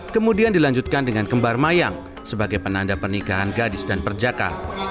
kemudian dilanjutkan dengan kembar mayang sebagai penanda pernikahan gadis dan perjaka